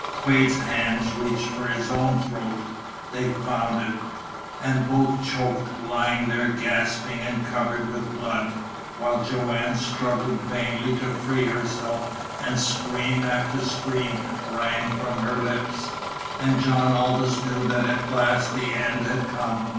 Quade's hands reached for his own throat. They found it. And both choked, lying there gasping and covered with blood! while Joanne struggled vainly to free herself, and scream after scream rang from her lips. And John Aldous knew that at last the end had come.